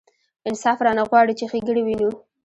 انصاف رانه غواړي چې ښېګڼې وینو.